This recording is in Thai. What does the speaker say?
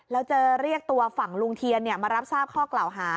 แล้วจะเรียกตัวฝั่งลุงเทียนมารับทราบข้อกล่าวหา